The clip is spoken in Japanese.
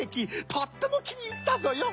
とってもきにいったぞよ。